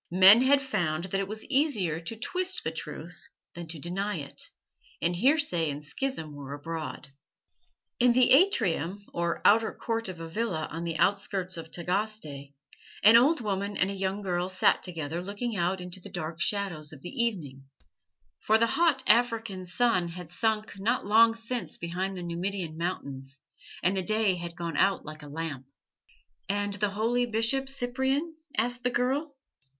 Men had found that it was easier to twist the truth than to deny it, and heresy and schism were abroad. In the atrium or outer court of a villa on the outskirts of Tagaste an old woman and a young girl sat together looking out into the dark shadows of the evening, for the hot African sun had sunk not long since behind the Numidian Mountains, and the day had gone out like a lamp. "And the holy Bishop Cyprian?" asked the girl.